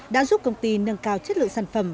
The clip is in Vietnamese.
đã giúp công ty nâng cao chất lượng sản phẩm